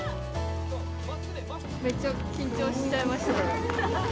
めっちゃ緊張しちゃいました。